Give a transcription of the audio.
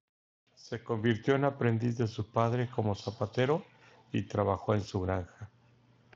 Se convirtió en aprendiz de su padre como zapatero, y trabajó en su granja.